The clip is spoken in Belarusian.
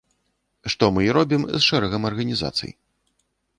Што мы і робім з шэрагам арганізацый.